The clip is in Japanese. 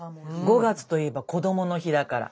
５月といえばこどもの日だから。